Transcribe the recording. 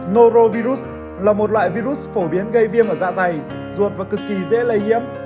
norovirus là một loại virus phổ biến gây viêm ở dạ dày ruột và cực kỳ dễ lây nhiễm